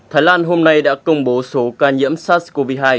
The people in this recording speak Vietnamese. thái lan hôm nay đã công bố số ca nhiễm sars cov hai